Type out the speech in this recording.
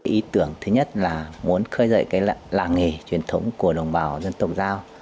ý tưởng thứ nhất là muốn khơi dậy làng nghề truyền thống của đồng bào dân tộc giao